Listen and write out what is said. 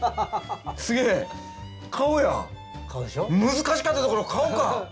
難しかったところ顔か！